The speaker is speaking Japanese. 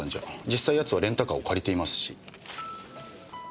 実際奴はレンタカーを借りていますし。